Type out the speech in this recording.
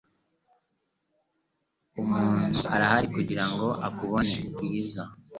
Umuntu arahari kugirango akubone, Bwiza .